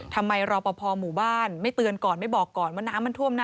ทำไมเราประพอบ์หมู่บ้านไม่เตือนก่อนไม่บอกก่อนว่าน้ำมันถ้วม